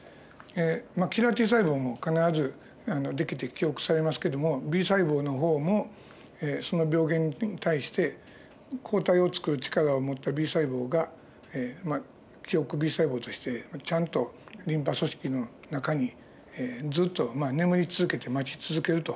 まあキラーＴ細胞も必ずできて記憶されますけどもＢ細胞の方もその病原菌に対して抗体をつくる力を持ったＢ細胞が記憶Ｂ細胞としてちゃんとリンパ組織の中にずっと眠り続けて待ち続けると。